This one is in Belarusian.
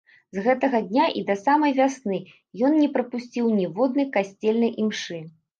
З гэтага дня і да самай вясны ён не прапусціў ніводнай касцельнай імшы.